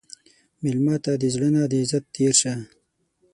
مېلمه ته د زړه نه د عزت تېر شه.